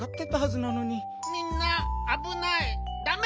みんなあぶないダメ！